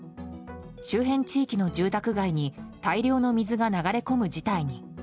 周辺地域の住宅街に大量の水が流れ込む事態に。